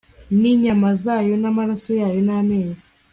n inyama zayo n amaraso yayo n amayezi